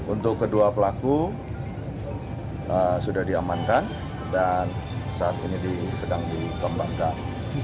untuk kedua pelaku sudah diamankan dan saat ini sedang dikembangkan